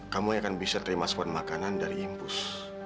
kamu yang akan bisa terima sebuah makanan dari impus